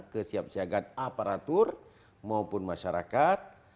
kesiap siakan aparatur maupun masyarakat